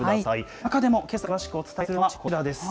中でもけさ、詳しくお伝えするのはこちらです。